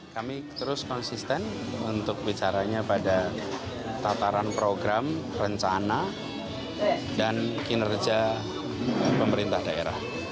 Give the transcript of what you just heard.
kami terus konsisten untuk bicaranya pada tataran program rencana dan kinerja pemerintah daerah